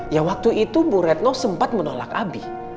ya waktu itu bu retno sempat menolak abi